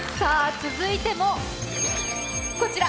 続いてもこちら。